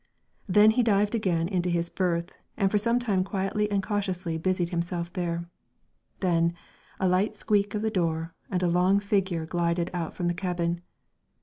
Then he dived again into his berth and for some time quietly and cautiously busied himself there; then a light squeak of the door, and a long figure glided out from the cabin.